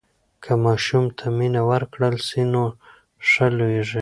که ماشوم ته مینه ورکړل سي نو ښه لویېږي.